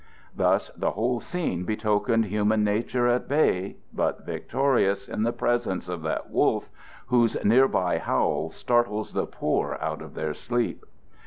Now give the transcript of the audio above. Thus the whole scene betokened human nature at bay but victorious in the presence of that wolf, whose near by howl startles the poor out of their sleep.